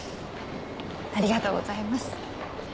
ありがとうございます。